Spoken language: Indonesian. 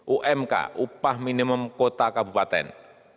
umk upah minimum kota kabupaten